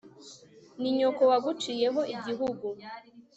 ni nyoko waguciyeho igihugu